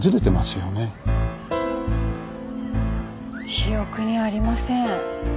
記憶にありません。